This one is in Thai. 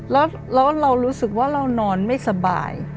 แล้วเรารู้สึกว่าเรานอนไม่สบาย